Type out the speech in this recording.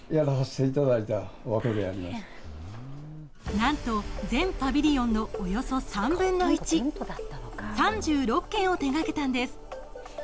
何と全パビリオンのおよそ３分の１３６件を手がけたんです。